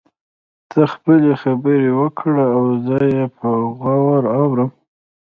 ته خپلې خبرې وکړه او زه يې په غور اورم.